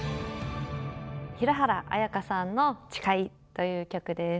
平原綾香さんの「誓い」という曲です。